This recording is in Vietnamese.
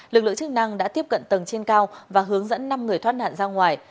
lực lượng chức năng đã tiếp cận tầng trên cao và hướng dẫn năm người thoát nạn ra ngoài